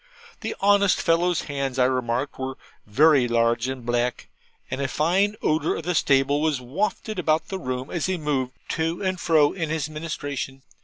The honest fellow's hands, I remarked, were very large and black; and a fine odour of the stable was wafted about the room as he moved to and fro in his ministration.